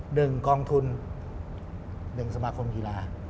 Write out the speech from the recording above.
หนึ่งกองทุนหนึ่งสมาคมกีฬา